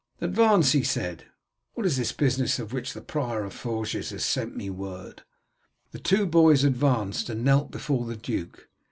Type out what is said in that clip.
"Advance," he said. "What is this business of which the prior of Forges has sent me word?" The two boys advanced and knelt before the duke.